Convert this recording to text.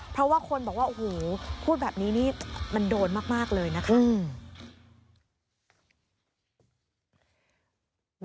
เพราะว่าคนบอกว่าหูพูดแบบนี้มันโดนมากเลยนะครับ